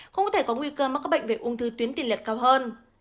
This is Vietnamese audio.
cũng có thể có nguy cơ mắc các bệnh về ung thư tuyến tiền liệt cao hơn